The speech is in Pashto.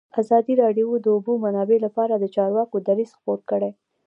ازادي راډیو د د اوبو منابع لپاره د چارواکو دریځ خپور کړی.